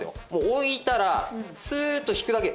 置いたらスーッと引くだけ。